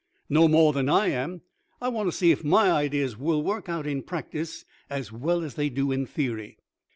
"No more than I am. I want to see if my ideas will work out in practice as well as they do in theory."